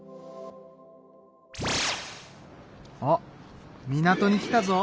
あっ港に来たぞ。